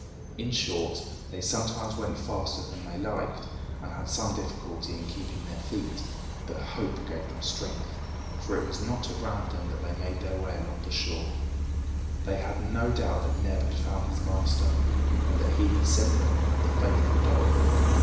In short, they sometimes went faster than they liked, and had some difficulty in keeping their feet; but hope gave them strength, for it was not at random that they made their way along the shore. They had no doubt that Neb had found his master, and that he had sent them the faithful dog.